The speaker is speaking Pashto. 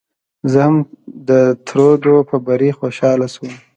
زه هم د ترودو په بري خوشاله شوم.